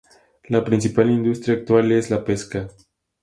La principal industria actual es la pesca.